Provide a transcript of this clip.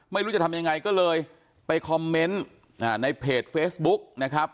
ไม่รู้จะทำยังไงก็เลยไปคอมเมนต์ในเพจเฟซบุ๊กนะครับ